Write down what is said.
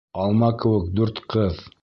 Алма кеүек дүрт ҡыҙ.